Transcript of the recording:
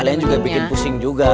kalian juga bikin pusing juga